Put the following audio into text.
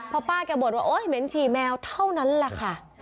พอป้าแกบ่นว่าโอ๊ยเหม็นฉี่แมวเท่านั้นแหละค่ะ